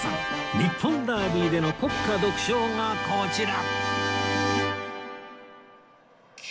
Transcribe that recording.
日本ダービーでの国歌独唱がこちら